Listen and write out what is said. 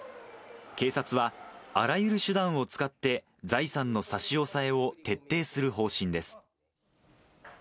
警察は、あらゆる手段を使って、財産の差し押さえを徹底する方針です。